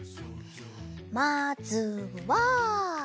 まずは。